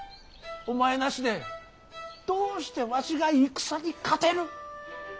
お前なしでどうしてわしが戦に勝てる。